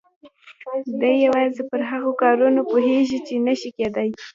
دی يوازې پر هغو کارونو پوهېږي چې نه شي کېدای.